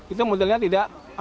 itu modelnya tidak